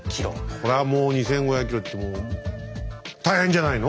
それはもう２，５００ｋｍって大変じゃないの？